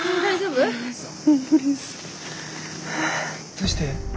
どうして？